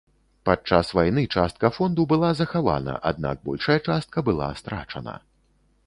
Падчас вайны частка фонду была захавана, аднак большая частка была страчана.